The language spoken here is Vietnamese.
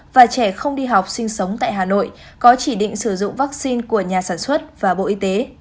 và trẻ không đi học sinh sống tại hà nội có chỉ định sử dụng vaccine của nhà sản xuất và bộ y tế